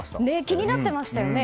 気になっていましたよね。